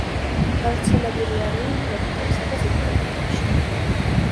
გავრცელებული არიან ტროპიკებსა და სუბტროპიკებში.